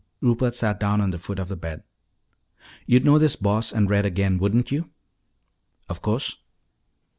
Rupert sat down on the foot of the bed. "You'd know this Boss and Red again, wouldn't you?" "Of course."